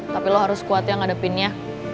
tapi lo harus kuat ya ngadepinnya